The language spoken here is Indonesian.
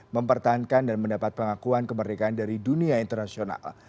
mempertahankan dan mendapat pengakuan kemerdekaan dari dunia internasional